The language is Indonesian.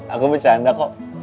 aku bercanda kok